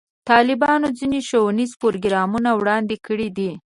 طالبانو ځینې ښوونیز پروګرامونه وړاندې کړي دي.